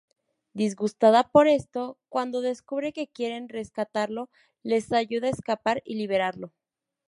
Disgustada por esto, cuando descubre que quieren rescatarlo, les ayuda a escapar y liberarlo.